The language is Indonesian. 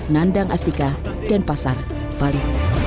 nandang astika dan pasar bali